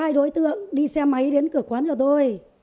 có hai đối tượng đi xe máy đến cửa quán cho tôi